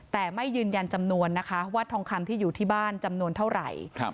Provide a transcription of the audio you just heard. แต่ไม่ยืนยันจำนวนนะคะว่าทองคำที่อยู่ที่บ้านจำนวนเท่าไหร่